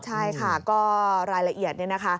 ใช่ค่ะก็รายละเอียดนี่นะคะ